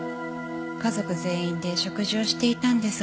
家族全員で食事をしていたんですが。